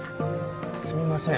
すみません。